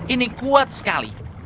ini kuat sekali